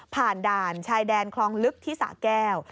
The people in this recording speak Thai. ด่านชายแดนคลองลึกที่สะแก้ว